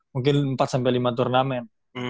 mungkin empat lima turnamen